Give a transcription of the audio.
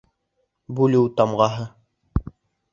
Бүлеү тамғаһы